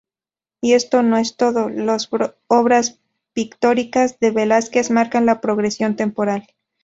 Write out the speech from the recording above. Y esto no es todo; las obras pictóricas de Velázquez marcan la progresión temporal.